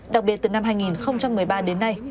đặc biệt từ năm hai nghìn một mươi ba đến nay